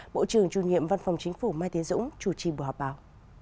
bộ trưởng chủ nhiệm văn phòng chính phủ mai tiến dũng chủ trì buổi họp báo